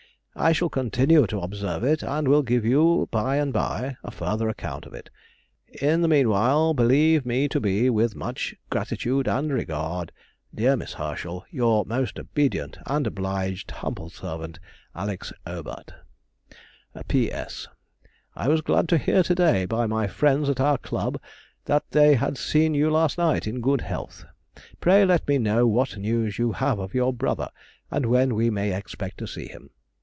I shall continue to observe it, and will give you by and by a further account of it. In the meanwhile believe me to be, with much gratitude and regard, Dear Miss Herschel, Your most obedient and obliged humble servant, ALEX. AUBERT. P.S.—I was glad to hear to day, by my friends at our club, that they had seen you last night in good health; pray let me know what news you have of your brother, and when we may expect to see him.